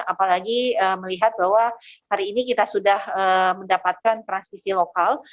apalagi melihat bahwa hari ini kita sudah mendapatkan transmisi lokal